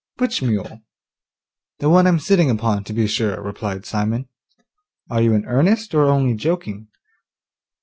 'Which mule?' 'The one I'm sitting upon, to be sure,' replied Simon. 'Are you in earnest, or only joking?